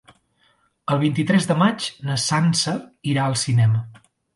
El vint-i-tres de maig na Sança irà al cinema.